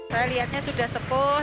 saya lihatnya sudah sepuh